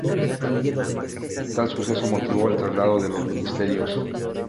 Tal suceso motivó el traslado de los ministerios.